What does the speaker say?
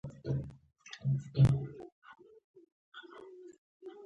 وژنه د زړونو د وینې چیغه ده